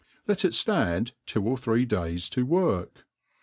Let it ftand two or three days to work.